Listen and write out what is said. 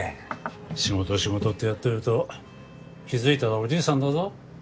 仕事仕事ってやってると気づいたらおじいさんだぞ？